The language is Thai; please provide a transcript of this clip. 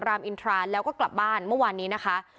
รามอินทราแล้วก็กลับบ้านเมื่อวานนี้นะคะ